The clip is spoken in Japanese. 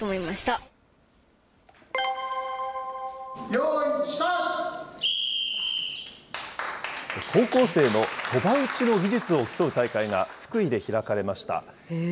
ようい、高校生のそば打ちの技術を競う大会が、福井で開かれました。